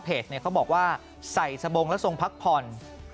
เขาบอกว่าใส่สบงแล้วทรงพักผ่อน